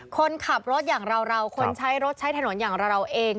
คนขับรถอย่างเราคนใช้รถใช้ถนนอย่างเราเอง